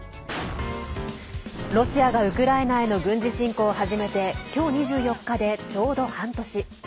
ロシアがウクライナへの軍事侵攻を始めて今日２４日で、ちょうど半年。